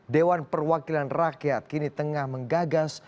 dewan perwakilan rakyat kini tengah menggagas